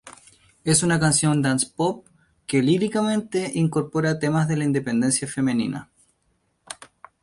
Es una canción dance-pop que líricamente incorpora temas de la independencia femenina.